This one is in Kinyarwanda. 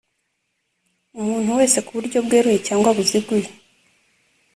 umuntu wese ku buryo bweruye cyangwa buziguye